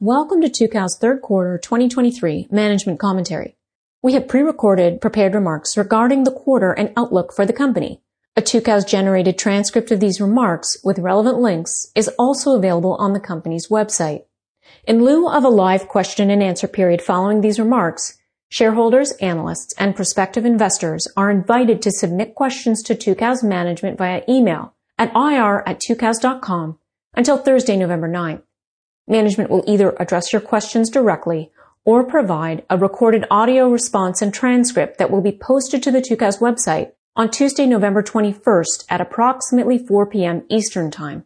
Welcome to Tucows' third quarter 2023 management commentary. We have pre-recorded prepared remarks regarding the quarter and outlook for the company. A Tucows-generated transcript of these remarks with relevant links is also available on the company's website. In lieu of a live question and answer period following these remarks, shareholders, analysts, and prospective investors are invited to submit questions to Tucows Management via email at ir@tucows.com until Thursday, November 9th. Management will either address your questions directly or provide a recorded audio response and transcript that will be posted to the Tucows website on Tuesday, November 21st, at approximately 4:00 P.M. Eastern Time.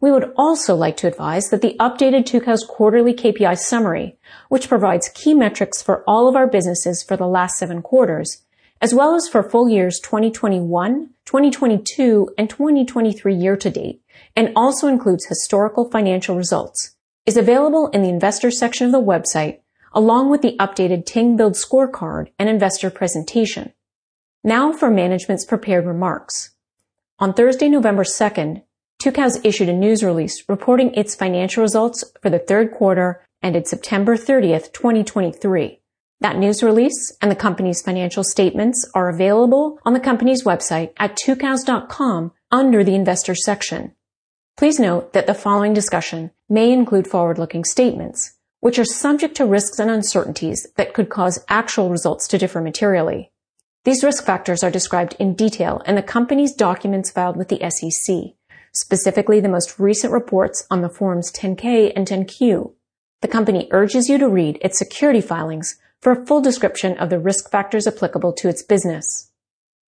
We would also like to advise that the updated Tucows quarterly KPI summary, which provides key metrics for all of our businesses for the last seven quarters, as well as for full years, 2021, 2022, and 2023 year to date, and also includes historical financial results, is available in the Investors section of the website, along with the updated Ting Build Scorecard and investor presentation. Now for management's prepared remarks. On Thursday, November 2nd, Tucows issued a news release reporting its financial results for the third quarter, ended September 30th, 2023. That news release and the company's financial statements are available on the company's website at tucows.com under the Investors section. Please note that the following discussion may include forward-looking statements, which are subject to risks and uncertainties that could cause actual results to differ materially. These risk factors are described in detail in the company's documents filed with the SEC, specifically the most recent reports on the Forms 10-K and 10-Q. The company urges you to read its securities filings for a full description of the risk factors applicable to its business.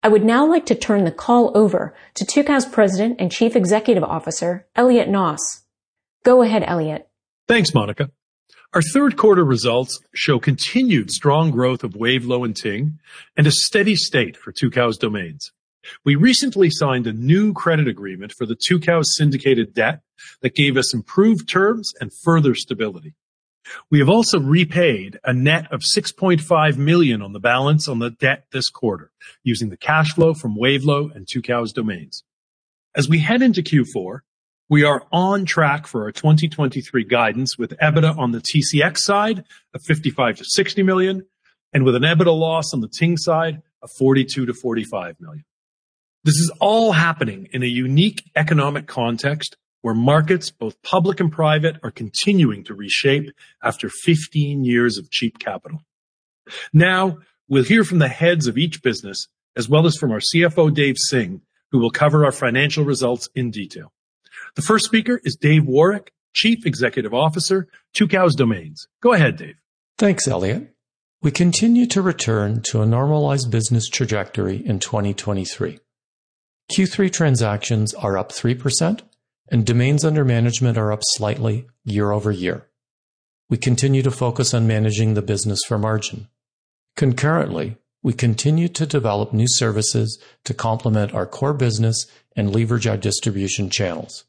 I would now like to turn the call over to Tucows' President and Chief Executive Officer, Elliot Noss. Go ahead, Elliot. Thanks, Monica. Our third quarter results show continued strong growth of Wavelo and Ting and a steady state for Tucows Domains. We recently signed a new credit agreement for the Tucows syndicated debt that gave us improved terms and further stability. We have also repaid a net of $6.5 million on the balance on the debt this quarter, using the cash flow from Wavelo and Tucows Domains. As we head into Q4, we are on track for our 2023 guidance, with EBITDA on the TCX side of $55 million-$60 million, and with an EBITDA loss on the Ting side of $42 million-$45 million. This is all happening in a unique economic context where markets, both public and private, are continuing to reshape after 15 years of cheap capital. Now, we'll hear from the heads of each business as well as from our CFO, Dave Singh, who will cover our financial results in detail. The first speaker is Dave Woroch, Chief Executive Officer, Tucows Domains. Go ahead, Dave. Thanks, Elliot. We continue to return to a normalized business trajectory in 2023. Q3 transactions are up 3%, and domains under management are up slightly year-over-year. We continue to focus on managing the business for margin. Concurrently, we continue to develop new services to complement our core business and leverage our distribution channels.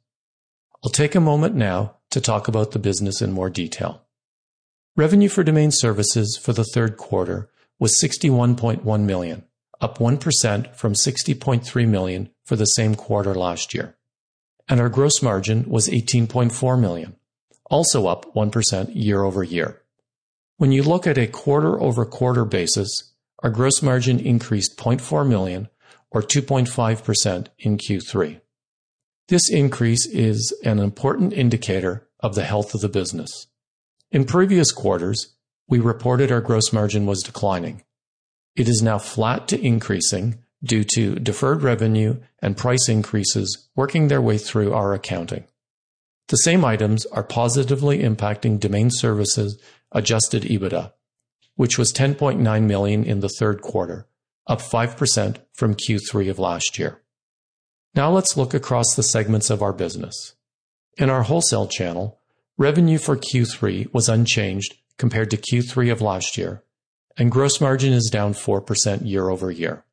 I'll take a moment now to talk about the business in more detail. Revenue for domain services for the third quarter was $61.1 million, up 1% from $60.3 million for the same quarter last year, and our gross margin was $18.4 million, also up 1% year-over-year. When you look at a quarter-over-quarter basis, our gross margin increased $0.4 million or 2.5% in Q3. This increase is an important indicator of the health of the business. In previous quarters, we reported our gross margin was declining. It is now flat to increasing due to Deferred Revenue and price increases working their way through our accounting. The same items are positively impacting Domain Services adjusted EBITDA, which was $10.9 million in the third quarter, up 5% from Q3 of last year. Now let's look across the segments of our business. In our Wholesale Channel, revenue for Q3 was unchanged compared to Q3 of last year, and gross margin is down 4% year-over-year.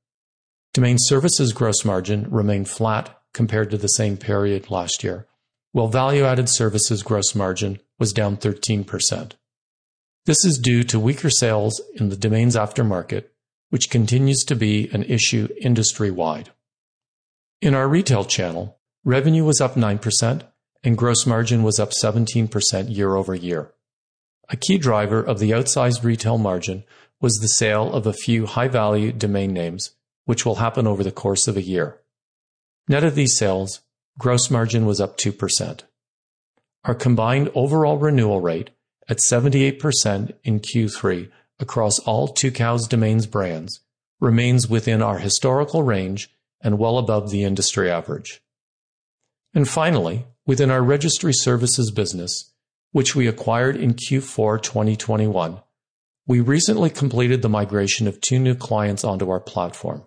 Domain Services gross margin remained flat compared to the same period last year, while value-added services gross margin was down 13%. This is due to weaker sales in the domains aftermarket, which continues to be an issue industry-wide. In our Retail Channel, revenue was up 9% and gross margin was up 17% year-over-year. A key driver of the outsized retail margin was the sale of a few high-value domain names, which will happen over the course of a year. Net of these sales, gross margin was up 2%. Our combined overall renewal rate at 78% in Q3 across all Tucows Domains brands remains within our historical range and well above the industry average. Finally, within our registry services business, which we acquired in Q4 2021, we recently completed the migration of two new clients onto our platform: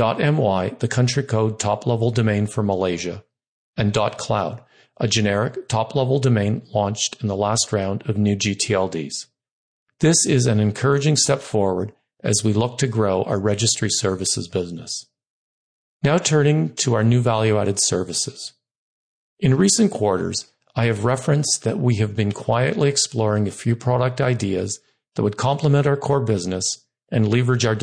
.my, the country code top-level domain for Malaysia, and .cloud, a generic top-level domain launched in the last round of new gTLDs. This is an encouraging step forward as we look to grow our registry services business. Now turning to our new value-added services. In recent quarters, I have referenced that we have been quietly exploring a few product ideas that would complement our core business and leverage our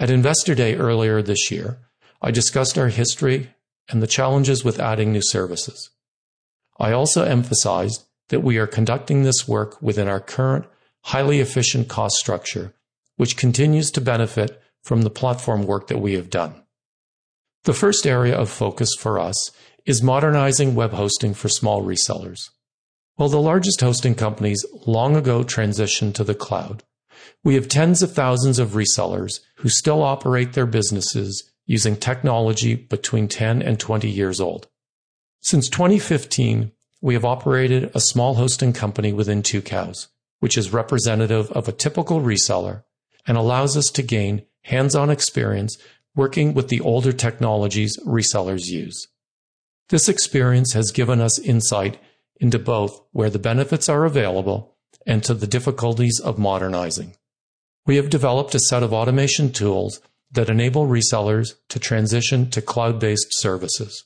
distribution channels. At Investor Day earlier this year, I discussed our history and the challenges with adding new services. I also emphasized that we are conducting this work within our current, highly efficient cost structure, which continues to benefit from the platform work that we have done. The first area of focus for us is modernizing web hosting for small resellers. While the largest hosting companies long ago transitioned to the cloud, we have tens of thousands of resellers who still operate their businesses using technology between 10 and 20 years old. Since 2015, we have operated a small hosting company within Tucows, which is representative of a typical reseller and allows us to gain hands-on experience working with the older technologies resellers use. This experience has given us insight into both where the benefits are available and to the difficulties of modernizing. We have developed a set of automation tools that enable resellers to transition to cloud-based services.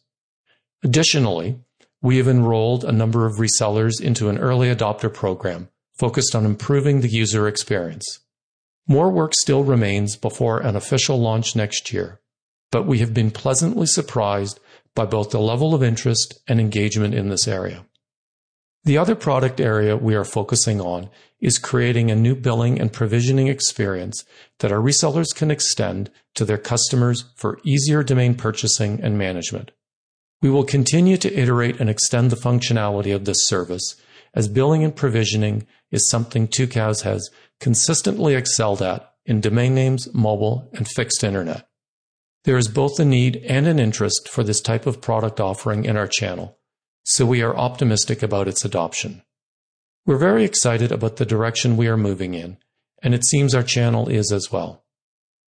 Additionally, we have enrolled a number of resellers into an early adopter program focused on improving the user experience. More work still remains before an official launch next year, but we have been pleasantly surprised by both the level of interest and engagement in this area. The other product area we are focusing on is creating a new billing and provisioning experience that our resellers can extend to their customers for easier domain purchasing and management. We will continue to iterate and extend the functionality of this service, as billing and provisioning is something Tucows has consistently excelled at in domain names, mobile, and fixed internet. There is both a need and an interest for this type of product offering in our channel, so we are optimistic about its adoption. We're very excited about the direction we are moving in, and it seems our channel is as well.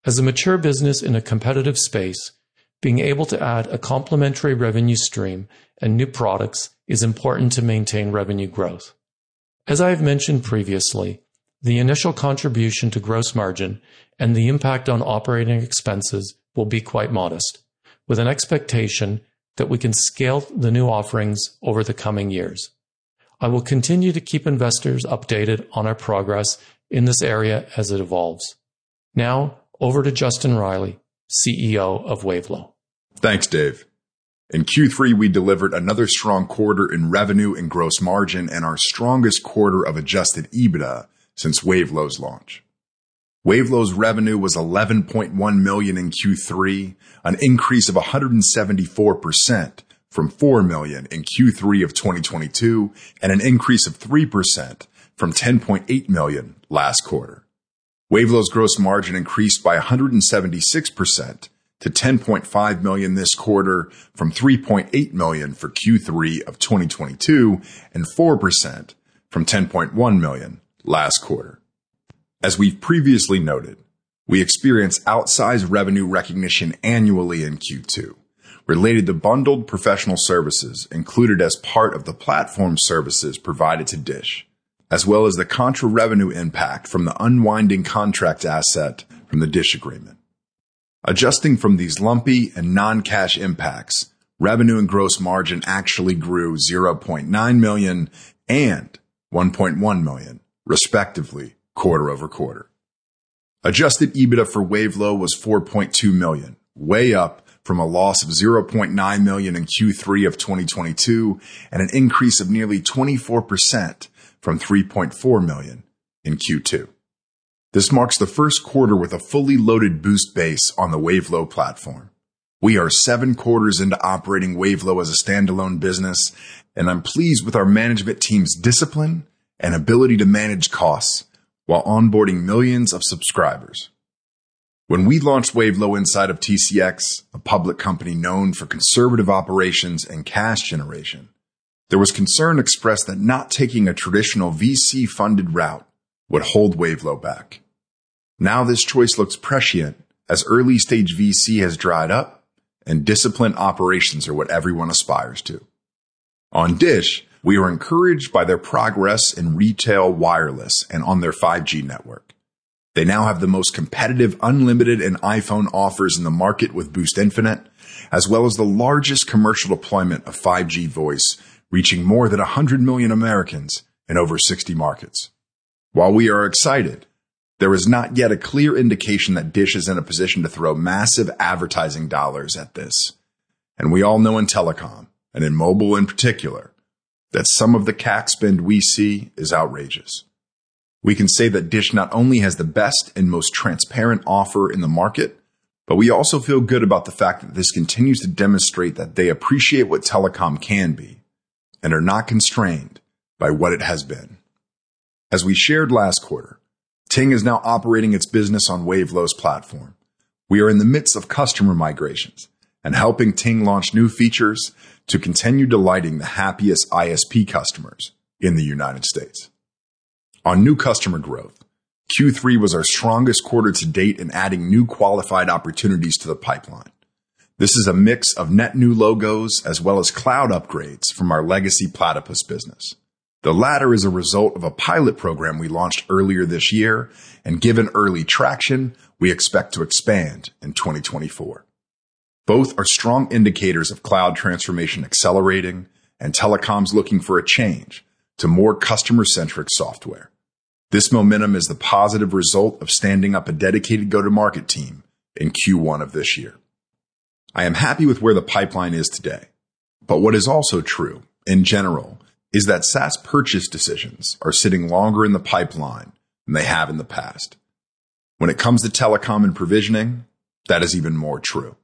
As a mature business in a competitive space, being able to add a complementary revenue stream and new products is important to maintain revenue growth. As I have mentioned previously, the initial contribution to gross margin and the impact on operating expenses will be quite modest, with an expectation that we can scale the new offerings over the coming years. I will continue to keep investors updated on our progress in this area as it evolves. Now over to Justin Reilly, CEO of Wavelo. Thanks, Dave. In Q3, we delivered another strong quarter in revenue and gross margin, and our strongest quarter of adjusted EBITDA since Wavelo's launch. Wavelo's revenue was $11.1 million in Q3, an increase of 174% from $4 million in Q3 of 2022, and an increase of 3% from $10.8 million last quarter. Wavelo's gross margin increased by 176% to $10.5 million this quarter from $3.8 million for Q3 of 2022, and 4% from $10.1 million last quarter. As we've previously noted, we experience outsized revenue recognition annually in Q2, related to bundled professional services included as part of the platform services provided to DISH, as well as the contra revenue impact from the unwinding contract asset from the DISH agreement. Adjusting from these lumpy and non-cash impacts, revenue and gross margin actually grew $0.9 million and $1.1 million, respectively, quarter-over-quarter. Adjusted EBITDA for Wavelo was $4.2 million, way up from a loss of $0.9 million in Q3 of 2022, and an increase of nearly 24% from $3.4 million in Q2. This marks the first quarter with a fully loaded Boost base on the Wavelo platform. We are seven quarters into operating Wavelo as a standalone business, and I'm pleased with our management team's discipline and ability to manage costs while onboarding millions of subscribers. When we launched Wavelo inside of TCX, a public company known for conservative operations and cash generation, there was concern expressed that not taking a traditional VC-funded route would hold Wavelo back. Now, this choice looks prescient, as early-stage VC has dried up and disciplined operations are what everyone aspires to. On DISH, we are encouraged by their progress in retail, wireless, and on their 5G network. They now have the most competitive, unlimited, and iPhone offers in the market with Boost Infinite, as well as the largest commercial deployment of 5G Voice, reaching more than 100 million Americans in over 60 markets. While we are excited, there is not yet a clear indication that DISH is in a position to throw massive advertising dollars at this. We all know in telecom, and in mobile in particular, that some of the CAC spend we see is outrageous. We can say that DISH not only has the best and most transparent offer in the market, but we also feel good about the fact that this continues to demonstrate that they appreciate what telecom can be and are not constrained by what it has been. As we shared last quarter, Ting is now operating its business on Wavelo's platform. We are in the midst of customer migrations and helping Ting launch new features to continue delighting the happiest ISP customers in the United States. On new customer growth, Q3 was our strongest quarter to date in adding new qualified opportunities to the pipeline. This is a mix of net new logos as well as cloud upgrades from our legacy Platypus business. The latter is a result of a pilot program we launched earlier this year, and given early traction, we expect to expand in 2024. Both are strong indicators of cloud transformation accelerating and telecoms looking for a change to more customer-centric software. This momentum is the positive result of standing up a dedicated go-to-market team in Q1 of this year. I am happy with where the pipeline is today, but what is also true, in general, is that SaaS purchase decisions are sitting longer in the pipeline than they have in the past. When it comes to telecom and provisioning, that is even more true.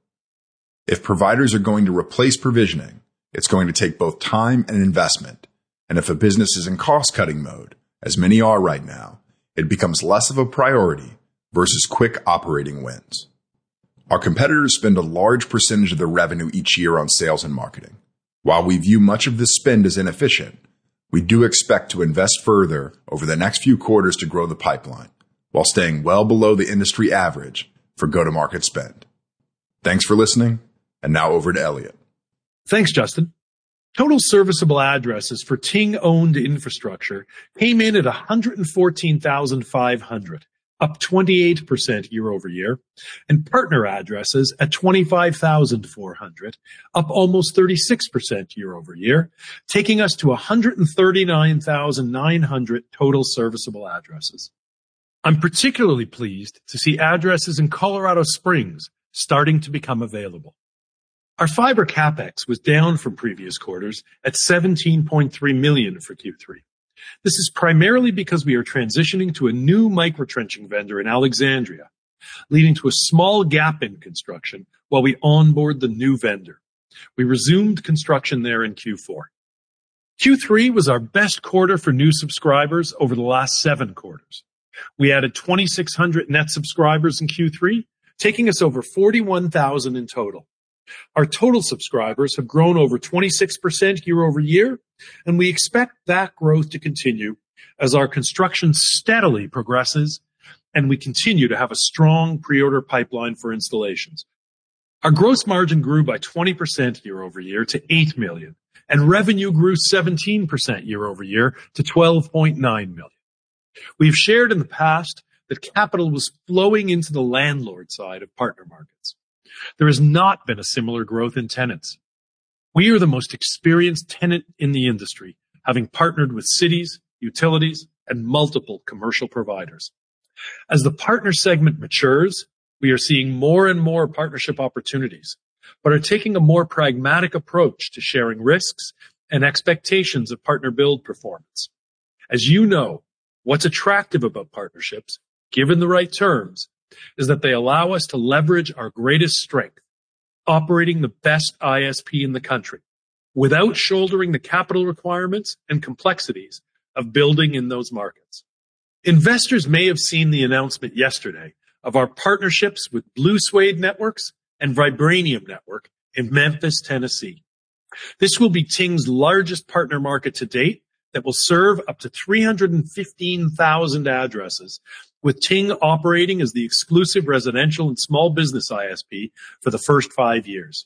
If providers are going to replace provisioning, it's going to take both time and investment, and if a business is in cost-cutting mode, as many are right now, it becomes less of a priority versus quick operating wins. Our competitors spend a large percentage of their revenue each year on sales and marketing. While we view much of this spend as inefficient, we do expect to invest further over the next few quarters to grow the pipeline, while staying well below the industry average for go-to-market spend. Thanks for listening, and now over to Elliot. Thanks, Justin. Total serviceable addresses for Ting-owned infrastructure came in at 114,500, up 28% year-over-year, and partner addresses at 25,400, up almost 36% year-over-year, taking us to 139,900 total serviceable addresses. I'm particularly pleased to see addresses in Colorado Springs starting to become available. Our fiber CapEx was down from previous quarters at $17.3 million for Q3. This is primarily because we are transitioning to a new micro trenching vendor in Alexandria, leading to a small gap in construction while we onboard the new vendor. We resumed construction there in Q4. Q3 was our best quarter for new subscribers over the last seven quarters. We added 2,600 net subscribers in Q3, taking us over 41,000 in total. Our total subscribers have grown over 26% year-over-year, and we expect that growth to continue as our construction steadily progresses, and we continue to have a strong pre-order pipeline for installations. Our gross margin grew by 20% year-over-year to $8 million, and revenue grew 17% year-over-year to $12.9 million. We've shared in the past that capital was flowing into the landlord side of partner markets. There has not been a similar growth in tenants. We are the most experienced tenant in the industry, having partnered with cities, utilities, and multiple commercial providers. As the partner segment matures, we are seeing more and more partnership opportunities but are taking a more pragmatic approach to sharing risks and expectations of partner build performance. As you know, what's attractive about partnerships, given the right terms, is that they allow us to leverage our greatest strength, operating the best ISP in the country, without shouldering the capital requirements and complexities of building in those markets. Investors may have seen the announcement yesterday of our partnerships with Blue Suede Networks and Vibranium Network in Memphis, Tennessee. This will be Ting's largest partner market to date that will serve up to 315,000 addresses, with Ting operating as the exclusive residential and small business ISP for the first five years.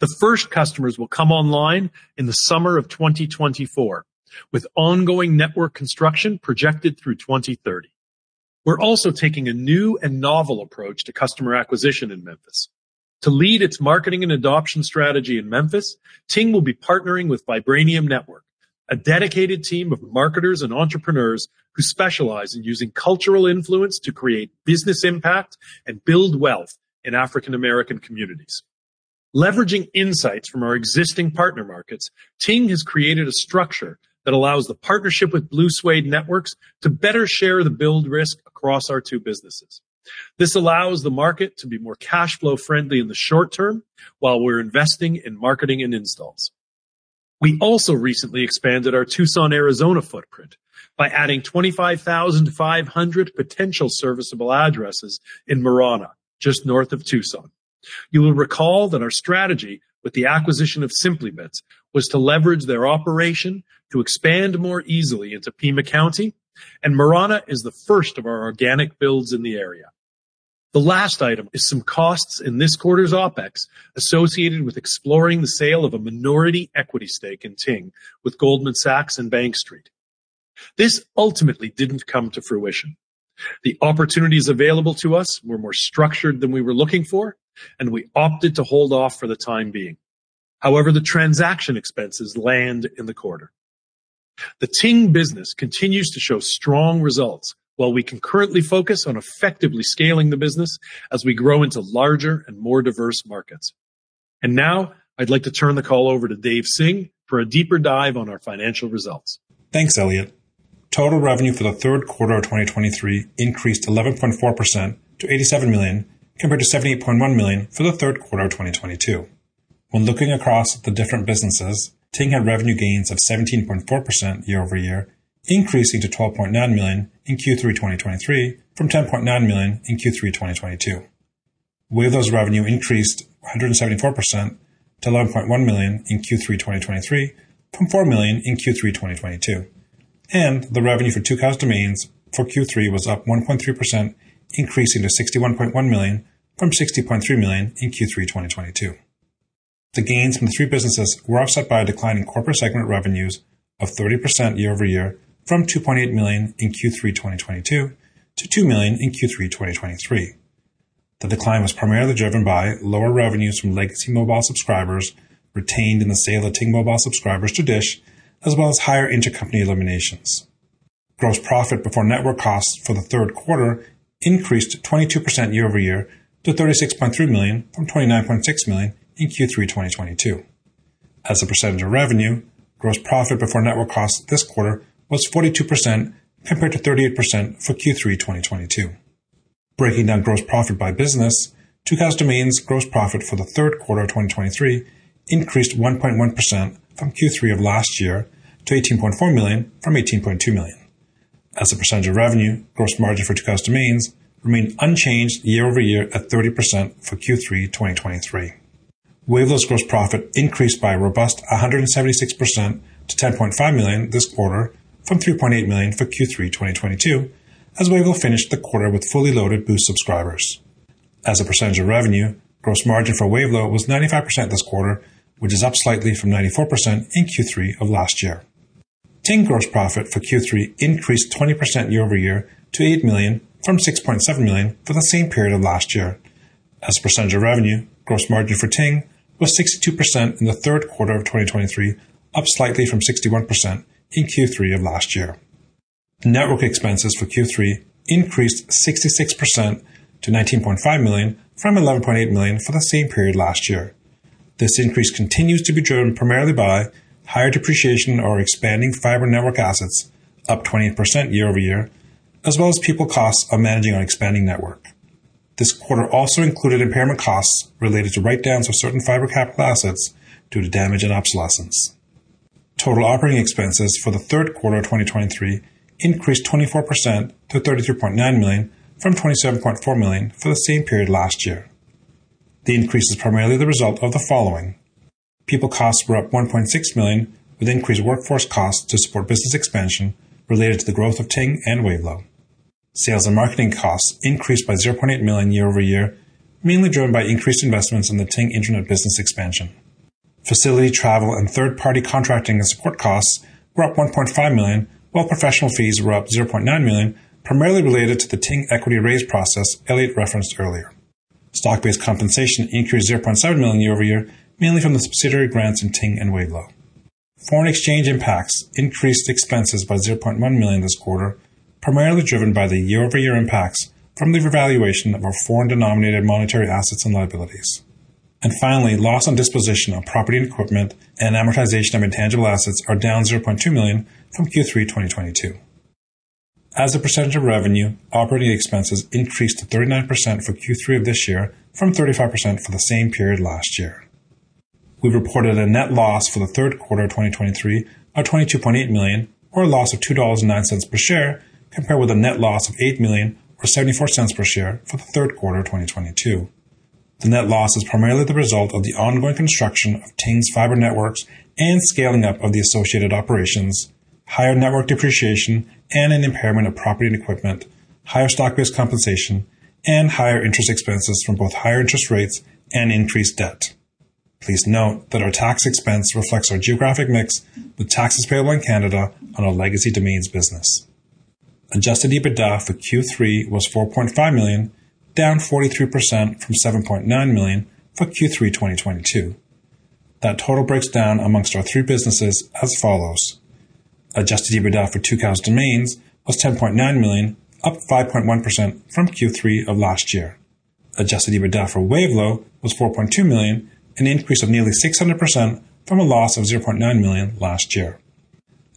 The first customers will come online in the summer of 2024, with ongoing network construction projected through 2030. We're also taking a new and novel approach to customer acquisition in Memphis. To lead its marketing and adoption strategy in Memphis, Ting will be partnering with Vibranium Network, a dedicated team of marketers and entrepreneurs who specialize in using cultural influence to create business impact and build wealth in African American communities. Leveraging insights from our existing partner markets, Ting has created a structure that allows the partnership with Blue Suede Networks to better share the build risk across our two businesses. This allows the market to be more cash flow friendly in the short term, while we're investing in marketing and installs. We also recently expanded our Tucson, Arizona footprint by adding 25,500 potential serviceable addresses in Marana, just north of Tucson. You will recall that our strategy with the acquisition of Simplybits was to leverage their operation to expand more easily into Pima County, and Marana is the first of our organic builds in the area. The last item is some costs in this quarter's OpEx associated with exploring the sale of a minority equity stake in Ting with Goldman Sachs and Bank Street. This ultimately didn't come to fruition. The opportunities available to us were more structured than we were looking for, and we opted to hold off for the time being. However, the transaction expenses land in the quarter. The Ting business continues to show strong results, while we concurrently focus on effectively scaling the business as we grow into larger and more diverse markets. Now I'd like to turn the call over to Dave Singh for a deeper dive on our financial results. Thanks, Elliot. Total revenue for the third quarter of 2023 increased 11.4% to $87 million, compared to $78.1 million for the third quarter of 2022. When looking across the different businesses, Ting had revenue gains of 17.4% year-over-year, increasing to $12.9 million in Q3 2023 from $10.9 million in Q3 2022, Wavelo revenue increased 174% to $11.1 million in Q3 2023 from $4 million in Q3 2022, and the revenue for Tucows Domains for Q3 was up 1.3%, increasing to $61.1 million from $60.3 million in Q3 2022. The gains from the three businesses were offset by a decline in corporate segment revenues of 30% year-over-year from $2.8 million in Q3 2022 to $2 million in Q3 2023. The decline was primarily driven by lower revenues from legacy mobile subscribers retained in the sale of Ting Mobile subscribers to DISH, as well as higher intercompany eliminations. Gross profit before network costs for the third quarter increased 22% year-over-year to $36.3 million from $29.6 million in Q3 2022. As a percentage of revenue, gross profit before network costs this quarter was 42%, compared to 38% for Q3 2022. Breaking down gross profit by business, Tucows Domains gross profit for the third quarter of 2023 increased 1.1% from Q3 of last year to $18.4 million from $18.2 million. As a percentage of revenue, gross margin for Tucows Domains remained unchanged year-over-year at 30% for Q3 2023. Wavelo's gross profit increased by a robust 176% to $10.5 million this quarter from $3.8 million for Q3 2022, as Wavelo finished the quarter with fully loaded Boost subscribers. As a percentage of revenue, gross margin for Wavelo was 95% this quarter, which is up slightly from 94% in Q3 of last year. Ting gross profit for Q3 increased 20% year-over-year to $8 million from $6.7 million for the same period of last year. As a percentage of revenue, gross margin for Ting was 62% in the third quarter of 2023, up slightly from 61% in Q3 of last year. Network expenses for Q3 increased 66% to $19.5 million from $11.8 million for the same period last year. This increase continues to be driven primarily by higher depreciation of expanding fiber network assets, up 20% year-over-year, as well as people costs of managing our expanding network. This quarter also included impairment costs related to write-downs of certain fiber capital assets due to damage and obsolescence. Total operating expenses for the third quarter of 2023 increased 24% to $33.9 million from $27.4 million for the same period last year. The increase is primarily the result of the following: People costs were up $1.6 million, with increased workforce costs to support business expansion related to the growth of Ting and Wavelo. Sales and marketing costs increased by $0.8 million year-over-year, mainly driven by increased investments in the Ting internet business expansion. Facility, travel, and third-party contracting and support costs were up $1.5 million, while professional fees were up $0.9 million, primarily related to the Ting equity raise process Elliot referenced earlier. Stock-based compensation increased $0.7 million year-over-year, mainly from the subsidiary grants in Ting and Wavelo. Foreign exchange impacts increased expenses by $0.1 million this quarter, primarily driven by the year-over-year impacts from the revaluation of our foreign-denominated monetary assets and liabilities. And finally, loss on disposition of property and equipment and amortization of intangible assets are down $0.2 million from Q3 2022. As a percentage of revenue, operating expenses increased to 39% for Q3 of this year from 35% for the same period last year. We reported a net loss for the third quarter of 2023 of $22.8 million, or a loss of $2.09 per share, compared with a net loss of $8 million or $0.74 per share for the third quarter of 2022. The net loss is primarily the result of the ongoing construction of Ting's fiber networks and scaling up of the associated operations, higher network depreciation, and an impairment of property and equipment, higher stock-based compensation, and higher interest expenses from both higher interest rates and increased debt. Please note that our tax expense reflects our geographic mix, with taxes payable in Canada on our legacy domains business. Adjusted EBITDA for Q3 was $4.5 million, down 43% from $7.9 million for Q3 2022. That total breaks down among our three businesses as follows: Adjusted EBITDA for Tucows Domains was $10.9 million, up 5.1% from Q3 of last year. Adjusted EBITDA for Wavelo was $4.2 million, an increase of nearly 600% from a loss of $0.9 million last year.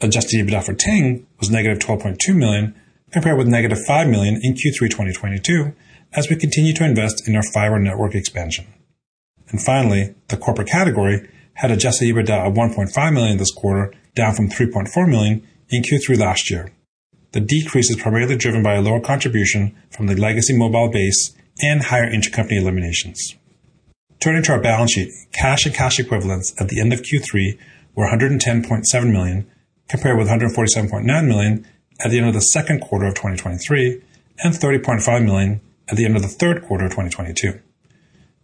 Adjusted EBITDA for Ting was -$12.2 million, compared with -$5 million in Q3 2022, as we continue to invest in our fiber network expansion. Finally, the corporate category had adjusted EBITDA of $1.5 million this quarter, down from $3.4 million in Q3 last year. The decrease is primarily driven by a lower contribution from the legacy mobile base and higher intercompany eliminations. Turning to our balance sheet, cash and cash equivalents at the end of Q3 were $110.7 million, compared with $147.9 million at the end of the second quarter of 2023, and $30.5 million at the end of the third quarter of 2022.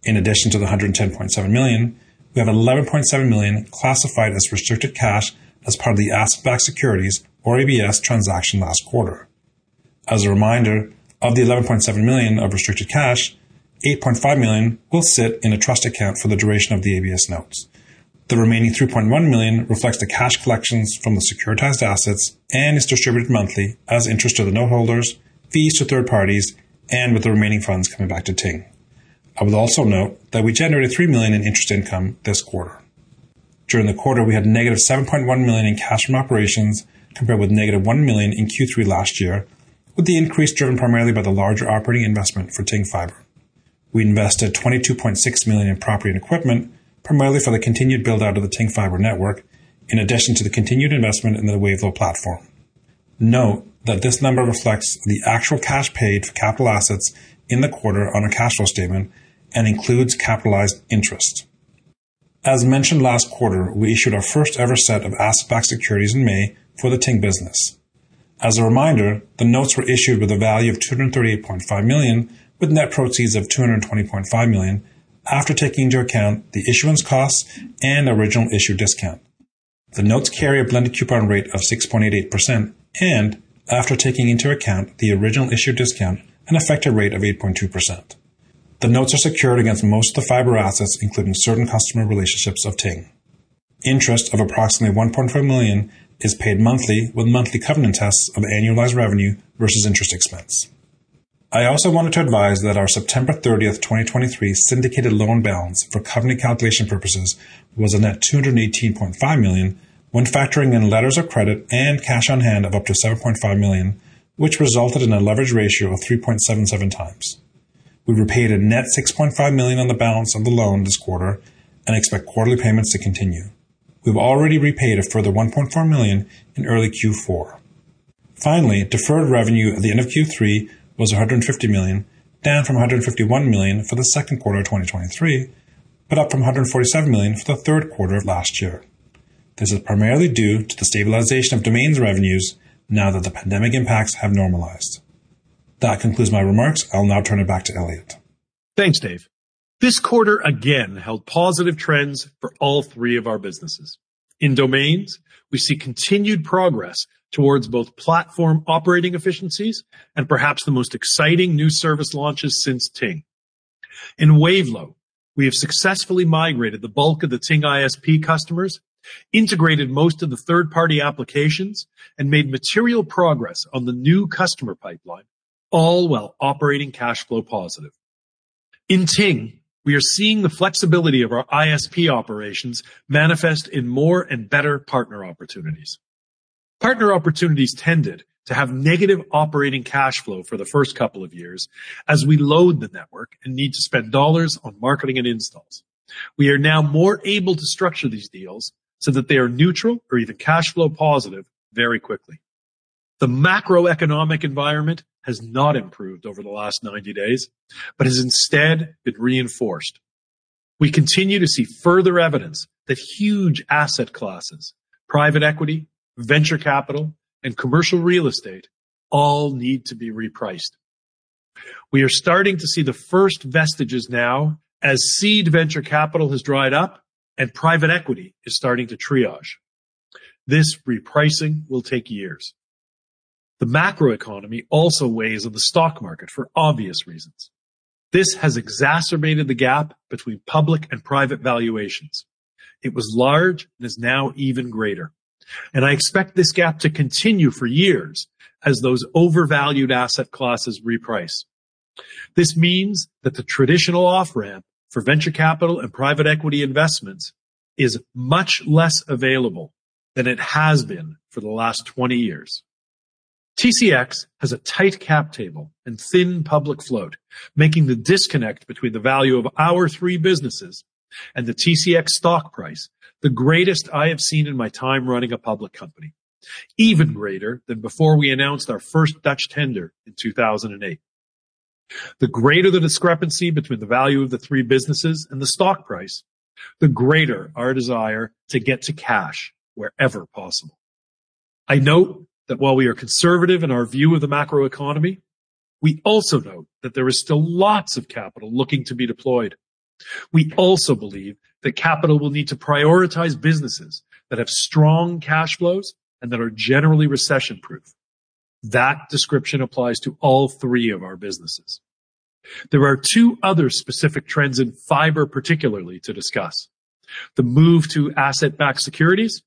In addition to the $110.7 million, we have $11.7 million classified as restricted cash as part of the asset-backed securities, or ABS, transaction last quarter. As a reminder, of the $11.7 million of restricted cash, $8.5 million will sit in a trust account for the duration of the ABS notes. The remaining $3.1 million reflects the cash collections from the securitized assets and is distributed monthly as interest to the note holders, fees to third parties, and with the remaining funds coming back to Ting. I would also note that we generated $3 million in interest income this quarter. During the quarter, we had -$7.1 million in cash from operations, compared with -$1 million in Q3 last year, with the increase driven primarily by the larger operating investment for Ting Fiber. We invested $22.6 million in property and equipment, primarily for the continued build-out of the Ting Fiber network, in addition to the continued investment in the Wavelo platform. Note that this number reflects the actual cash paid for capital assets in the quarter on a cash flow statement and includes capitalized interest. As mentioned last quarter, we issued our first-ever set of asset-backed securities in May for the Ting business. As a reminder, the notes were issued with a value of $238.5 million, with net proceeds of $220.5 million, after taking into account the issuance costs and original issue discount. The notes carry a blended coupon rate of 6.88%, and after taking into account the original issue discount, an effective rate of 8.2%. The notes are secured against most of the fiber assets, including certain customer relationships of Ting. Interest of approximately $1.4 million is paid monthly, with monthly covenant tests of annualized revenue versus interest expense. I also wanted to advise that our September 30, 2023 syndicated loan balance for covenant calculation purposes was a net $218.5 million when factoring in letters of credit and cash on hand of up to $7.5 million, which resulted in a leverage ratio of 3.77x. We repaid a net $6.5 million on the balance of the loan this quarter and expect quarterly payments to continue. We've already repaid a further $1.4 million in early Q4. Finally, deferred revenue at the end of Q3 was $150 million, down from $151 million for the second quarter of 2023, but up from $147 million for the third quarter of last year. This is primarily due to the stabilization of domains revenues now that the pandemic impacts have normalized. That concludes my remarks. I'll now turn it back to Elliot. Thanks, Dave. This quarter, again, held positive trends for all three of our businesses. In domains, we see continued progress towards both platform operating efficiencies and perhaps the most exciting new service launches since Ting. In Wavelo, we have successfully migrated the bulk of the Ting ISP customers, integrated most of the third-party applications, and made material progress on the new customer pipeline, all while operating cash flow positive. In Ting, we are seeing the flexibility of our ISP operations manifest in more and better partner opportunities. Partner opportunities tended to have negative operating cash flow for the first couple of years as we load the network and need to spend dollars on marketing and installs. We are now more able to structure these deals so that they are neutral or even cash flow positive very quickly. The macroeconomic environment has not improved over the last 90 days, but has instead been reinforced. We continue to see further evidence that huge asset classes, private equity, venture capital, and commercial real estate all need to be repriced. We are starting to see the first vestiges now as seed venture capital has dried up and private equity is starting to triage. This repricing will take years. The macroeconomy also weighs on the stock market for obvious reasons. This has exacerbated the gap between public and private valuations. It was large and is now even greater, and I expect this gap to continue for years as those overvalued asset classes reprice. This means that the traditional off-ramp for venture capital and private equity investments is much less available than it has been for the last 20 years. TCX has a tight cap table and thin public float, making the disconnect between the value of our three businesses and the TCX stock price the greatest I have seen in my time running a public company, even greater than before we announced our first Dutch tender in 2008. The greater the discrepancy between the value of the three businesses and the stock price, the greater our desire to get to cash wherever possible. I note that while we are conservative in our view of the macroeconomy, we also note that there is still lots of capital looking to be deployed. We also believe that capital will need to prioritize businesses that have strong cash flows and that are generally recession-proof. That description applies to all three of our businesses. There are two other specific trends in fiber, particularly to discuss: the move to asset-backed securities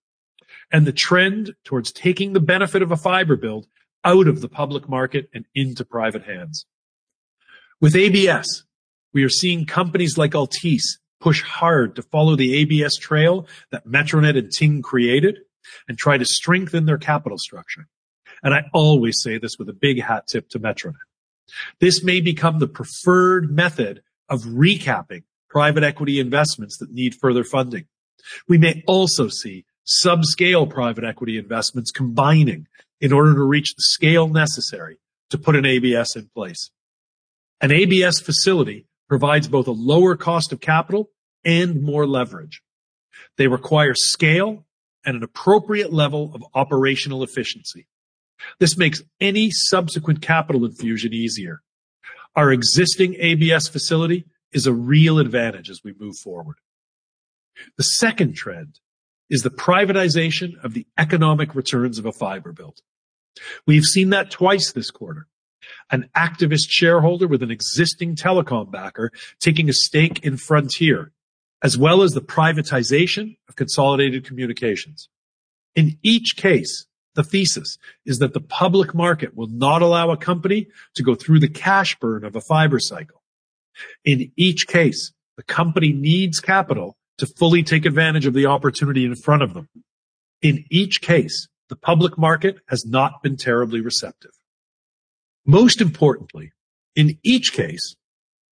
and the trend towards taking the benefit of a fiber build out of the public market and into private hands. With ABS, we are seeing companies like Altice push hard to follow the ABS trail that MetroNet and Ting created and try to strengthen their capital structure. I always say this with a big hat tip to MetroNet. This may become the preferred method of recapping private equity investments that need further funding. We may also see sub-scale private equity investments combining in order to reach the scale necessary to put an ABS in place. An ABS facility provides both a lower cost of capital and more leverage. They require scale and an appropriate level of operational efficiency. This makes any subsequent capital infusion easier. Our existing ABS facility is a real advantage as we move forward. The second trend is the privatization of the economic returns of a fiber build. We've seen that twice this quarter. An activist shareholder with an existing telecom backer taking a stake in Frontier, as well as the privatization of Consolidated Communications. In each case, the thesis is that the public market will not allow a company to go through the cash burn of a fiber cycle. In each case, the company needs capital to fully take advantage of the opportunity in front of them. In each case, the public market has not been terribly receptive. Most importantly, in each case,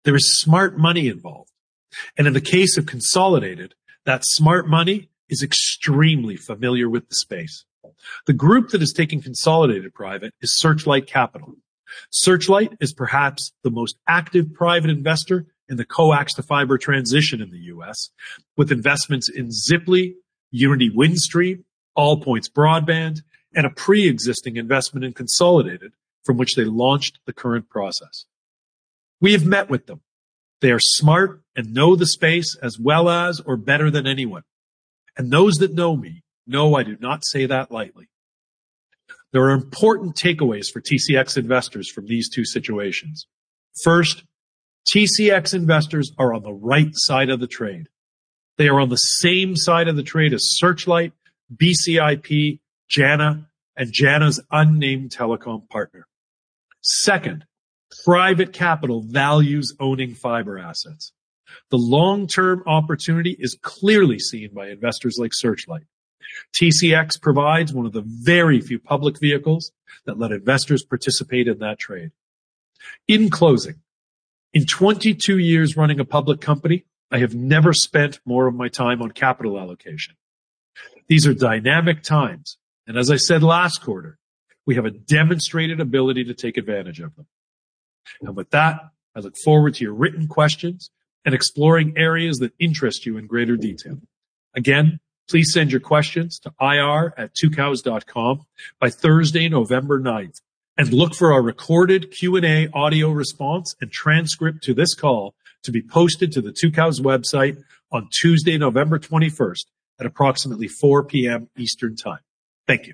there is smart money involved, and in the case of Consolidated, that smart money is extremely familiar with the space. The group that is taking Consolidated private is Searchlight Capital. Searchlight is perhaps the most active private investor in the coax-to-fiber transition in the U.S., with investments in Ziply, Uniti, Windstream, All Points Broadband, and a preexisting investment in Consolidated from which they launched the current process. We have met with them. They are smart and know the space as well as or better than anyone, and those that know me know I do not say that lightly. There are important takeaways for TCX investors from these two situations. First, TCX investors are on the right side of the trade. They are on the same side of the trade as Searchlight, BCIP, Jana, and Jana's unnamed telecom partner. Second, private capital values owning fiber assets. The long-term opportunity is clearly seen by investors like Searchlight. TCX provides one of the very few public vehicles that let investors participate in that trade. In closing, in 22 years running a public company, I have never spent more of my time on capital allocation. These are dynamic times, and as I said last quarter, we have a demonstrated ability to take advantage of them. And with that, I look forward to your written questions and exploring areas that interest you in greater detail. Again, please send your questions to ir@tucows.com by Thursday, November 9, and look for our recorded Q&A, audio response, and transcript to this call to be posted to the Tucows website on Tuesday, November 21, at approximately 4:00 P.M. Eastern Time. Thank you.